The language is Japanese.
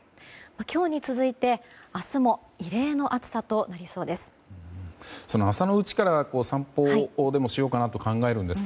今日に続いて明日も異例の暑さとなりそうです。